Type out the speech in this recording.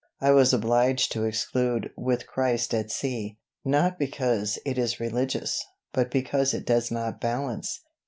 I was obliged to exclude 'With Christ at Sea,' not because it is religious, but because it does not balance.